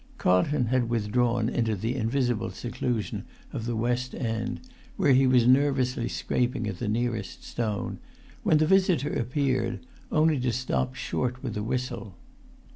Carlton had withdrawn into the invisible seclusion[Pg 236] of the west end, where he was nervously scraping at the nearest stone when the visitor appeared, only to stop short with a whistle.